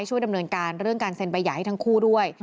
ช่วยดำเนินการเรื่องการเซ็นใบหย่าให้ทั้งคู่ด้วย